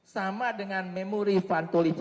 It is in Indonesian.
sama dengan memori fantoligi